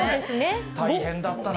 大変だったな。